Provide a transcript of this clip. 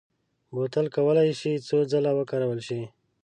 بوتل کولای شي څو ځله وکارول شي.